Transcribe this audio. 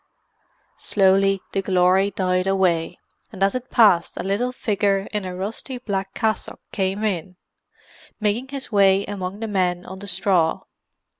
Slowly the glory died away, and as it passed a little figure in a rusty black cassock came in, making his way among the men on the straw.